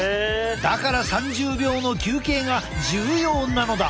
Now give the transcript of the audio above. だから３０秒の休憩が重要なのだ。